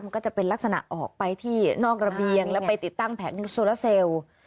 ก็จะเป็นลักษณะออกไปที่นอกระเบียงแล้วไปติดตั้งแผงโซลาเซลล์